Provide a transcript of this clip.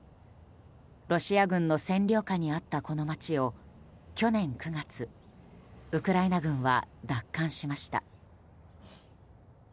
ロシア軍の占領下にあったこの街を去年９月、ウクライナ軍は奪還しました。